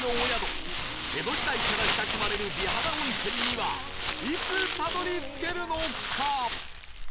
江戸時代から親しまれる美肌温泉にはいつたどり着けるのか？